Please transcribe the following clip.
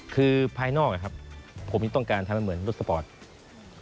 คือภายนอกผมจะต้องการทำเป็นเหมือนรถสปอร์ต